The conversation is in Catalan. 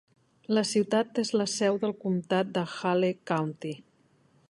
La ciutat és la seu del comtat de Hale County.